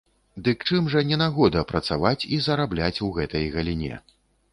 Дык чым жа не нагода працаваць і зарабляць у гэтай галіне?